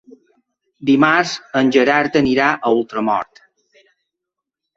Dimarts en Gerard anirà a Ultramort.